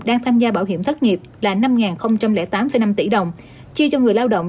đang tham gia bảo hiểm thất nghiệp là năm tám năm tỷ đồng chi cho người lao động